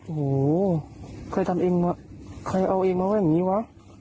โหใครเอาเองมาแบบนี้วะ